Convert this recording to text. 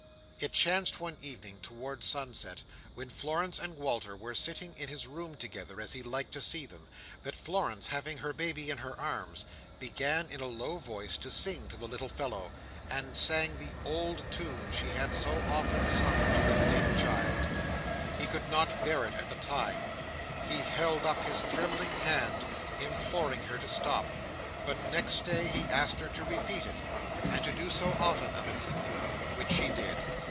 It chanced one evening, towards sunset, when Florence and Walter were sitting in his room together, as he liked to see them, that Florence, having her baby in her arms, began in a low voice to sing to the little fellow, and sang the old tune she had so often sung to the dead child: He could not bear it at the time; he held up his trembling hand, imploring her to stop; but next day he asked her to repeat it, and to do so often of an evening: which she did.